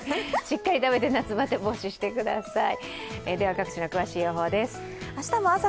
しっかり食べて夏バテ防止してください。